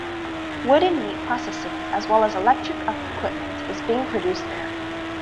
Wood and meat processing as well as electric equipment is being produced there.